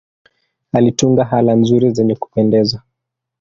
Alitunga ala nzuri zenye kupendeza.